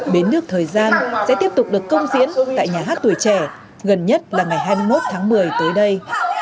bến nước thời gian sẽ tiếp tục được công diễn tại nhà hát tuổi trẻ gần nhất là ngày hai mươi một tháng một mươi tới đây